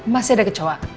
masih ada kecoak